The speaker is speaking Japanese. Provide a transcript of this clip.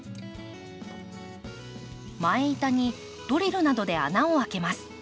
前板にドリルなどで穴を開けます。